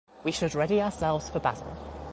We should ready ourselves for battle.